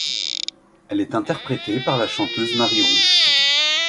Elle est interprétée par la chanteuse Mary Roos.